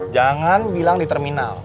jangan bilang di terminal